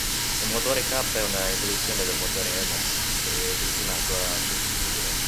Il motore K è una evoluzione del motore Energy, che è destinato a sostituire.